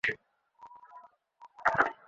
শচীশ বলিল, আমি সঙ্গে যাইব।